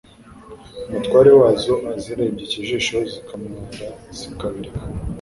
umutware wazo azirebye ikijisho zikamwara zikabireka.